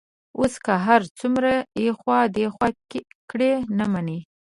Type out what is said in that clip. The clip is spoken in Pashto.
اوس که هر څومره ایخوا دیخوا کړي، نه مني.